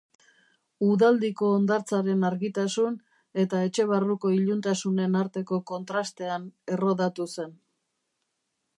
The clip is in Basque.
Udaldiko hondartzaren argitasun eta etxe barruko iluntasunen arteko kontrastean errodatu zen.